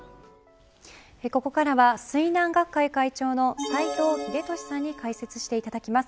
ここからは水難学会会長の斎藤秀俊さんに解説していただきます。